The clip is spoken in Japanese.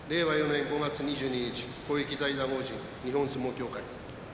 ４年５月２２日公益財団法人日本相撲協会